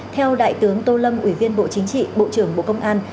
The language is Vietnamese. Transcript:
theo đại tướng tô lâm ủy viên bộ chính trị bộ trưởng bộ công an